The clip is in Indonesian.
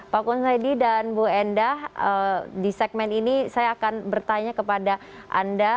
pak kunsaidi dan bu endah di segmen ini saya akan bertanya kepada anda